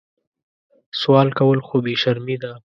سوال کول خو بې شرمي ده